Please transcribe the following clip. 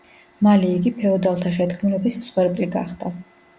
მალე იგი ფეოდალთა შეთქმულების მსხვერპლი გახდა.